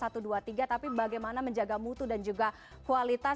tapi bagaimana menjaga mutu dan juga kualitas